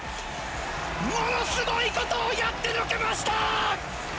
ものすごいことをやってのけました！